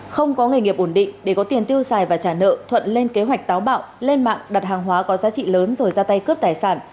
không có nghề nghiệp ổn định để có tiền tiêu xài và trả nợ thuận lên kế hoạch táo bạo lên mạng đặt hàng hóa có giá trị lớn rồi ra tay cướp tài sản